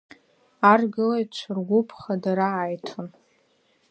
Аргылаҩцәа ргәыԥ хадара аиҭон.